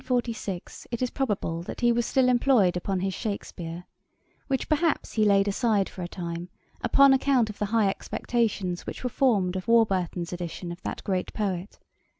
37. In 1746 it is probable that he was still employed upon his Shakspeare, which perhaps he laid aside for a time, upon account of the high expectations which were formed of Warburton's edition of that great poet.